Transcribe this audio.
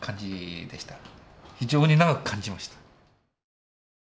非常に長く感じました。